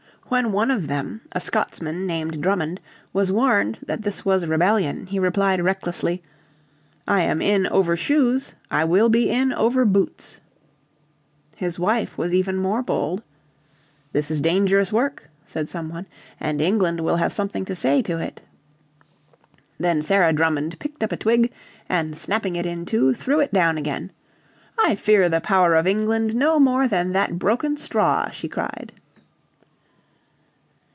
When one of them, a Scotsman named Drummond, was warned that this was rebellion he replied recklessly, "I am in over shoes, I will be in over boots." His wife was even more bold. "This is dangerous work," said some one, "and England will have something to say to it." Then Sarah Drummond picked up a twig, and snapping it in two, threw it down again. "I fear the power of England no more than that broken straw," she cried.